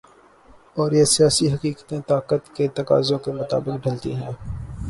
اور یہ سیاسی حقیقتیں طاقت کے تقاضوں کے مطابق ڈھلتی ہیں۔